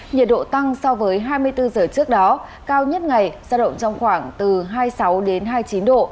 nhiệt độ tăng so với hai mươi bốn giờ trước đó cao nhất ngày giao động trong khoảng từ hai mươi sáu đến hai mươi chín độ